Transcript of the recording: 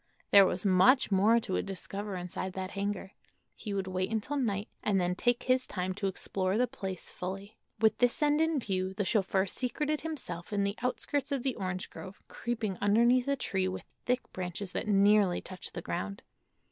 There was much more to discover inside that hangar. He would wait until night, and then take his time to explore the place fully. With this end in view the chauffeur secreted himself in the outskirts of the orange grove, creeping underneath a tree with thick branches that nearly touched the ground.